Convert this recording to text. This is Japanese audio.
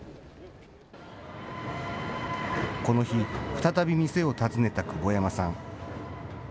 この日、再び店を訪ねた久保山さん。